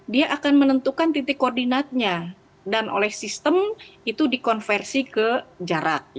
dia akan menentukan titik koordinatnya dan oleh sistem itu dikonversi ke jarak